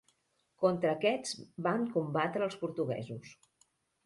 Contra aquests van combatre els portuguesos.